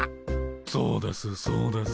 そうですそうです。